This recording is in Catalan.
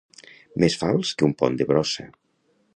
Més fals que un pont de brossa.